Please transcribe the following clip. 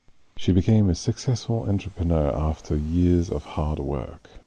She became a successful entrepreneur after years of hard work.